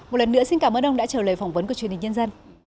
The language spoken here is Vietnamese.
một lần nữa xin cảm ơn ông đã trả lời phỏng vấn của truyền hình nhân dân